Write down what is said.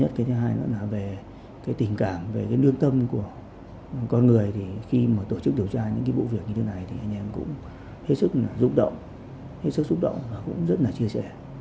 đấy là cái thứ nhất cái thứ hai nữa là về cái tình cảm về cái nương tâm của con người thì khi mà tổ chức điều tra những cái bộ việc như thế này thì anh em cũng hết sức là rụng động hết sức rụng động và cũng rất là chia sẻ